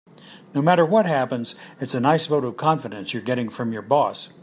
No matter what happens, it's a nice vote of confidence you're getting from your boss.